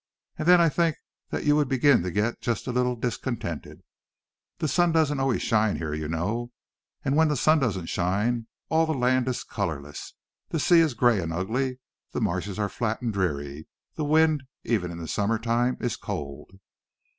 And then I think that you would begin to get just a little discontented. The sun doesn't always shine here, you know, and when the sun doesn't shine, all the land is colorless. The sea is gray and ugly, the marshes are flat and dreary, the wind, even in the summer time, is cold."